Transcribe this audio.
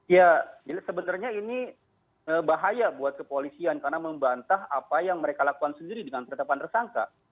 ya sebenarnya ini bahaya buat kepolisian karena membantah apa yang mereka lakukan sendiri dengan penetapan tersangka